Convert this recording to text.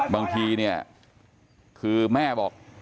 บางทีเนี่ยคือแม่บอก